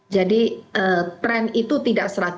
jadi tren itu tidak seragam